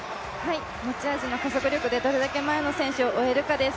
持ち味の加速力でどれだけ前の選手を追えるかです。